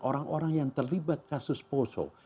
orang orang yang terlibat kasus poso